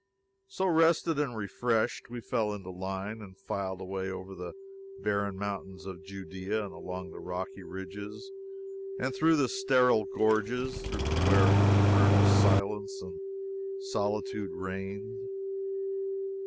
So, rested and refreshed, we fell into line and filed away over the barren mountains of Judea, and along rocky ridges and through sterile gorges, where eternal silence and solitude reigned.